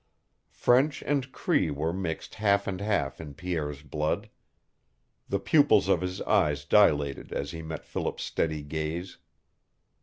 French and Cree were mixed half and half in Pierre's blood. The pupils of his eyes dilated as he met Philip's steady gaze.